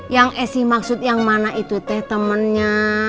yang esi maksud yang mana itu teh temannya